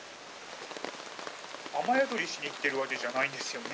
雨宿りしに来てるわけじゃないんですよね？